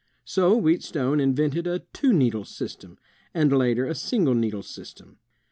So Wheatstone invented a two needle system, and later a single needle system.